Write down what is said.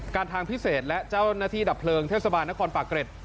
ทางพิเศษและเจ้าหน้าที่ดับเพลิงเทศบาลนครปากเกร็ด